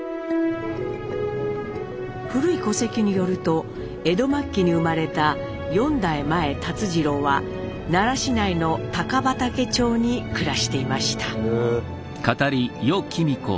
古い戸籍によると江戸末期に生まれた４代前辰次郎は奈良市内の高畑町に暮らしていました。